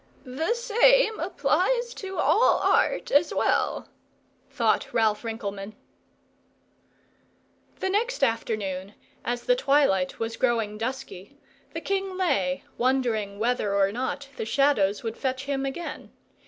"The same applies to all arts as well," thought Ralph Rinkelmann. The next afternoon, as the twilight was growing dusky, the king lay wondering whether or not the Shadows would fetch him again.